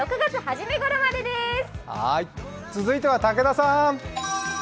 続いては武田さん。